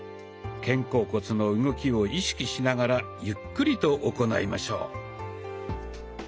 肩甲骨の動きを意識しながらゆっくりと行いましょう。